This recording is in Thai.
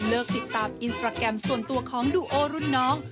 ติดตามอินสตราแกรมส่วนตัวของดูโอรุ่นน้อง